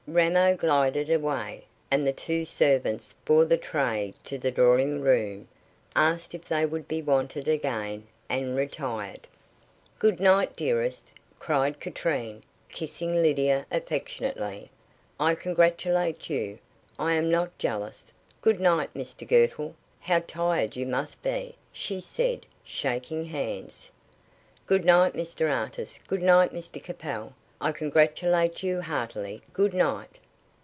Ramo glided away, and the two servants bore the tray to the drawing room, asked if they would be wanted again, and retired. "Good night, dearest," cried Katrine, kissing Lydia affectionately. "I congratulate you. I am not jealous. Good night, Mr Girtle how tired you must be," she said, shaking hands. "Good night, Mr Artis. Good night, Mr Capel. I congratulate you heartily. Good night!"